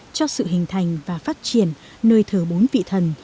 cho sự hình thành và phát triển nơi thờ bốn vị thần